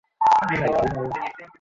আজকাল বিড়ির বদলে সে চুরুট খায়!